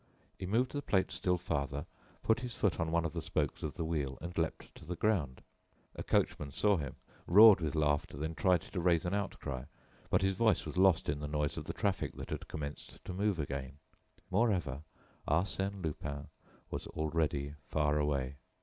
He moved the plate still farther, put his foot on one of the spokes of the wheel and leaped to the ground. A coachman saw him, roared with laughter, then tried to raise an outcry, but his voice was lost in the noise of the traffic that had commenced to move again. Moreover, Arsène Lupin was already far away.